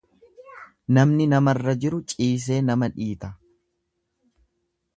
Namni namarra jiru ciisee nama dhiita.